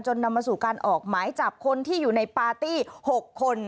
นำมาสู่การออกหมายจับคนที่อยู่ในปาร์ตี้๖คน